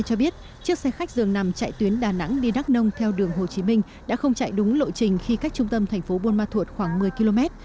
cho biết chiếc xe khách dường nằm chạy tuyến đà nẵng đi đắk nông theo đường hồ chí minh đã không chạy đúng lộ trình khi cách trung tâm thành phố buôn ma thuột khoảng một mươi km